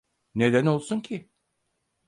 Neden olsun ki?